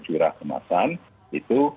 curah kemasan itu